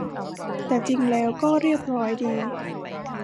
แต่จริงแล้วก็เรียบร้อยดี